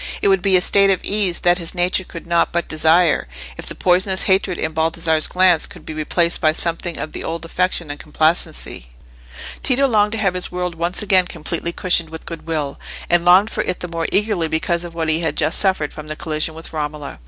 It would be a state of ease that his nature could not but desire, if the poisonous hatred in Baldassarre's glance could be replaced by something of the old affection and complacency. Tito longed to have his world once again completely cushioned with goodwill, and longed for it the more eagerly because of what he had just suffered from the collision with Romola.